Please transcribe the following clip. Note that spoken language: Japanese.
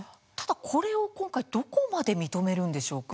これをどこまで認めるのでしょうか。